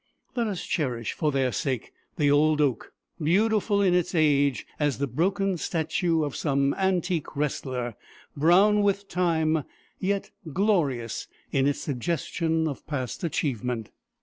Let us cherish for their sake the old oak, beautiful in its age as the broken statue of some antique wrestler, brown with time, yet glorious in its suggestion of past achievement.